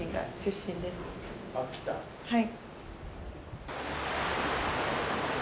はい。